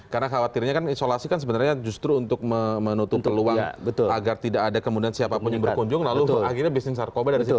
karena khawatirnya kan isolasi kan sebenarnya justru untuk menutup peluang agar tidak ada kemudian siapapun yang berkunjung lalu akhirnya bisnis narkoba dari situ